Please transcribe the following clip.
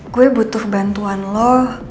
gue butuh bantuan lo